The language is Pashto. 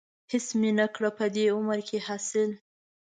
هېڅ مې نه کړه په دې عمر کې حاصل.